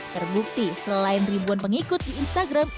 terbukti selain ribuan pengikut di instagram